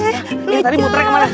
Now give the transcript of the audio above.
yang tadi muternya ke mana